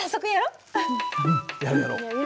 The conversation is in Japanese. うんやろやろ。